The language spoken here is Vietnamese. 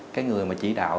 cái người mà chỉ đạo